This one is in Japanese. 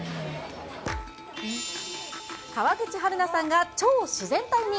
川口春奈さんが超自然体に。